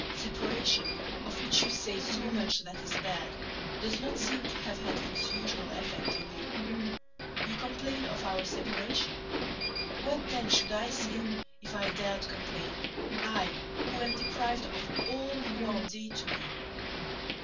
Separation, of which you say so much that is bad, does not seem to have had its usual effect on you. You complain of our separation. What then should I say, if I dared complain, I who am deprived of all who are dear to me?